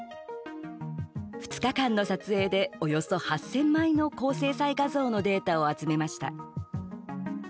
２日間の撮影でおよそ８０００枚の高精細画像のデータを集めました。